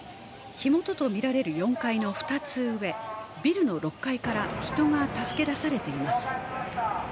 火元とみられる４階の２つ上、ビルの６階から人が助け出されています。